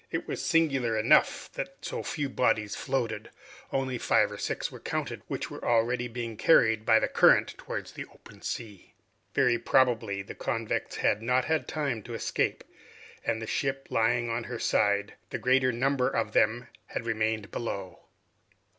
It was singular enough that so few bodies floated. Only five or six were counted, which were already being carried by the current towards the open sea. Very probably the convicts had not had time to escape, and the ship lying over on her side, the greater number of them had remained below.